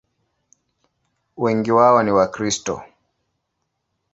Wengi wao ni Wakristo.